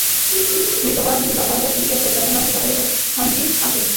বিত্তবান কিংবা ক্ষমতাসীনদের কেউকেউ চারজন মানুষের কাঁধে উঠে থানচি আসে।